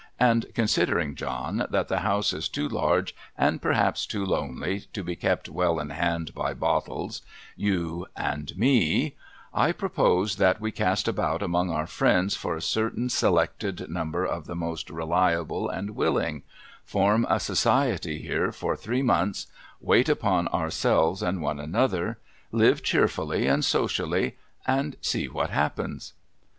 And con sidering, John, that the house is too large, and perhaps too lonely, to be kept well in hand by Bottles, you, and me, I propose that we cast about among our friends for a certain selected number of the most reliable and willing — form a Society here for three months — wait upon ourselves and one another — live cheerfully and socially — and see what happens.'